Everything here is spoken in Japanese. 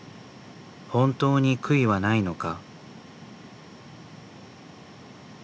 本当に悔いはないのか？